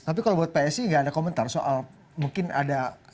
tapi kalau buat psi nggak ada komentar soal mungkin ada